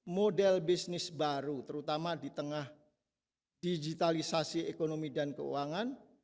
model bisnis baru terutama di tengah digitalisasi ekonomi dan keuangan